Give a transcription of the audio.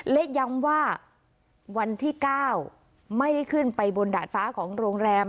และย้ำว่าวันที่๙ไม่ได้ขึ้นไปบนดาดฟ้าของโรงแรม